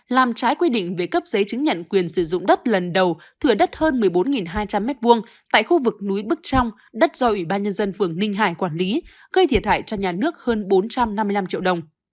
lần đầu thừa đất hơn một mươi bốn hai trăm linh m hai tại khu vực núi bức trong đất do ủy ban nhân dân phường ninh hải quản lý gây thiệt hại cho nhà nước hơn bốn trăm năm mươi năm triệu đồng